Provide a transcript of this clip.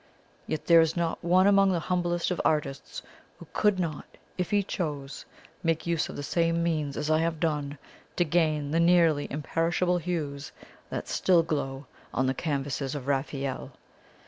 Yet there is not one among the humblest of artists who could not, if he chose, make use of the same means as I have done to gain the nearly imperishable hues that still glow on the canvases of Raphael.